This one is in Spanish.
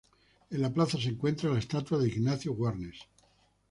En la plaza se encuentra la estatua de Ignacio Warnes.